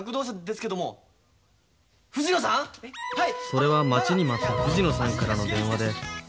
それは待ちに待った藤野さんからの電話で。